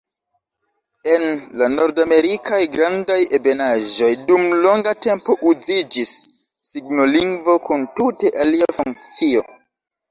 En la Nordamerikaj Grandaj Ebenaĵoj dum longa tempo uziĝis signolingvo kun tute alia funkcio.